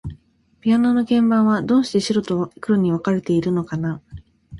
ピアノの鍵盤は、どうして白と黒に分かれているのかな。